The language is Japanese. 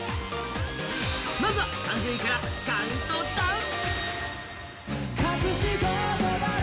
まずは３０位からカウントダウン！